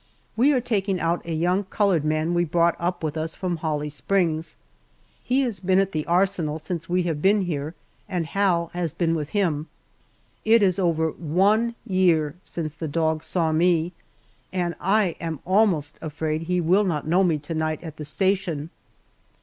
We are taking out a young colored man we brought up with us from Holly Springs. He has been at the arsenal since we have been here, and Hal has been with him. It is over one year since the dog saw me, and I am almost afraid he will not know me tonight at the station.